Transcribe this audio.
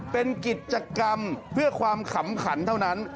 เป็นกิจกรรมเพื่อความขำขันเท่านั้น